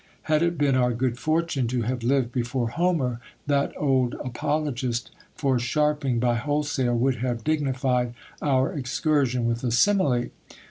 Had it been our good fortune to have lived before Homer, that old apologist for sharping by wholesale would have dignified our excursion with a simile.